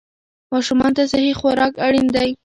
ماشومان ته صحي خوراک اړین دی.